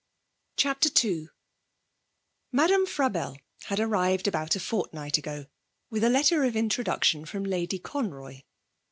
CHAPTER II Madame Frabelle had arrived about a fortnight ago, with a letter of introduction from Lady Conroy.